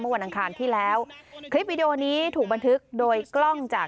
วันอังคารที่แล้วคลิปวิดีโอนี้ถูกบันทึกโดยกล้องจาก